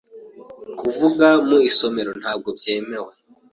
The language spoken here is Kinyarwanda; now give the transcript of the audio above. Kuvuga mu isomero ntabwo byemewe .